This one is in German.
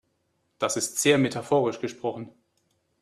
Das ist sehr metaphorisch gesprochen.